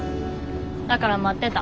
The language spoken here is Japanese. だから待ってた。